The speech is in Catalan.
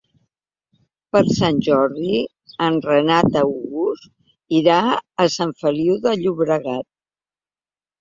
Per Sant Jordi en Renat August irà a Sant Feliu de Llobregat.